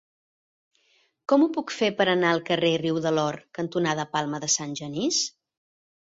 Com ho puc fer per anar al carrer Riu de l'Or cantonada Palma de Sant Genís?